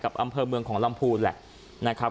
อำเภอเมืองของลำพูนแหละนะครับ